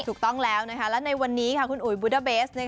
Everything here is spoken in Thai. ถูกต้องแล้วนะคะและในวันนี้ค่ะคุณอุยบุ๊ดาเบส